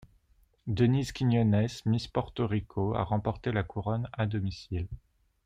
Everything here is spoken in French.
Denise Quiñones, Miss Porto Rico, a remporté la couronne à domicile.